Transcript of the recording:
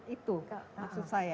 itu maksud saya